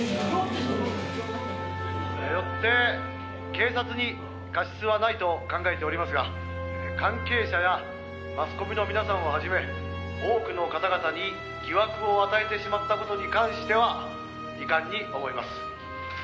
「よって警察に過失はないと考えておりますが関係者やマスコミの皆さんをはじめ多くの方々に疑惑を与えてしまった事に関しては遺憾に思います」